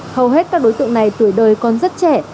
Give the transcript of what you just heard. hầu hết các đối tượng này tuổi đời còn rất trẻ